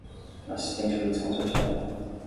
assistente litisconsorcial.